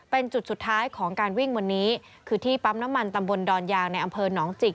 เป็นจุดสุดท้ายของการวิ่งวันนี้คือที่ปั๊มน้ำมันตำบลดอนยางในอำเภอหนองจิก